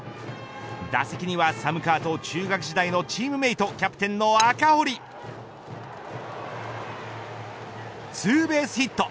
打席には寒川と中学時代のチームメートキャプテンの赤堀ツーベースヒット。